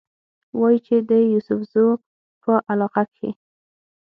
وايي چې د يوسفزو پۀ علاقه کښې